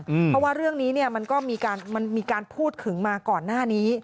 เพราะว่าเรื่องนี้เนี่ยมันก็มีการพูดถึงมาก่อนหน้านี้